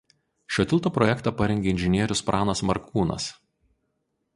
Šio tilto projektą parengė inžinierius Pranas Markūnas.